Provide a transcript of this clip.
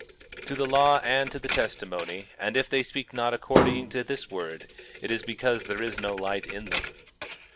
18:20 To the law and to the testimony; and if they speak not according to this word, it is because there is no light in them.